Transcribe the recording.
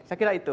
saya kira itu